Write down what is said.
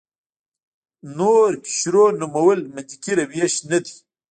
نور قشرونو نومول منطقي روش نه دی.